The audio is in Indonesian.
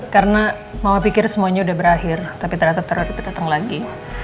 karena mama pikir semuanya udah berakhir tapi ternyata terlalu cepat datang lagi